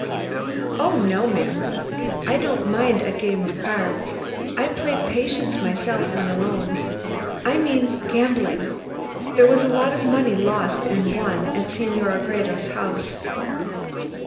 "Oh, no, ma'am. I don't mind a game of cards. I play 'Patience' myself when alone. I mean gambling there was a lot of money lost and won at Senora Gredos' house!"